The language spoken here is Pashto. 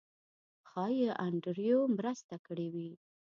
ښایي انډریو مرسته کړې وي.